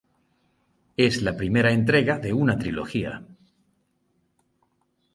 Es la primera entrega de una trilogía.